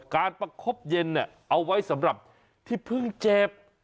ประคบเย็นเอาไว้สำหรับที่เพิ่งเจ็บ